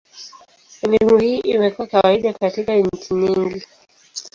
Elimu hii imekuwa kawaida katika nchi nyingi.